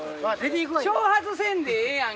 挑発せんでええやん。